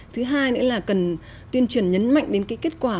thứ hai nữa là cần tuyên truyền nhấn mạnh đến cái kết quả